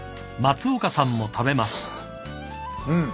うん。